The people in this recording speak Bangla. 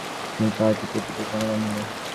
মহেন্দ্র পা টিপিয়া টিপিয়া ক্যামেরা আনিল।